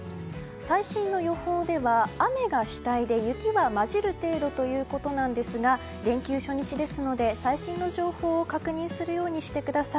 最新の予報では雨が主体で雪は交じる程度とのことですが連休初日ですので最新の情報を確認するようにしてください。